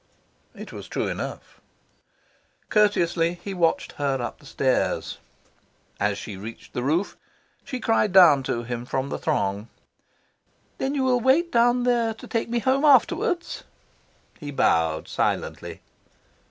It was true enough. Courteously he watched her up the stairs. As she reached the roof, she cried down to him from the throng, "Then you will wait down there to take me home afterwards?" He bowed silently.